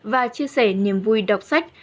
và chia sẻ niềm vui đọc sách